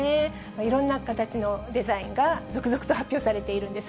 いろんな形のデザインが続々と発表されているんです。